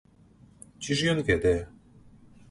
Ці ж ён ведае?